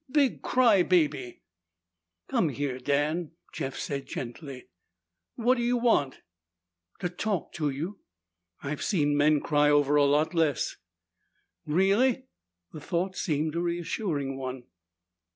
"Big cry baby!" "Come here, Dan," Jeff said gently. "What do you want?" "To talk to you, and I've seen men cry over a whole lot less." "Really?" The thought seemed a reassuring one.